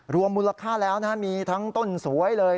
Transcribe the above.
รวมมูลค่าแล้วนะฮะมีทั้งต้นสวยเลย